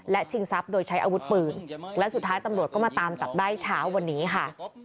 และชิงทรัพย์โดยใช้อาวุธปืนและสุดท้ายตำรวจก็มาตามจับได้เช้าวันนี้ค่ะ